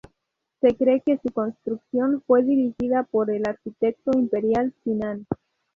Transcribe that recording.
Se cree que su construcción fue dirigida por el arquitecto imperial Sinan.